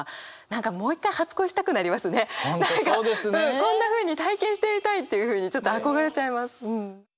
こんなふうに体験してみたいっていうふうにちょっと憧れちゃいます。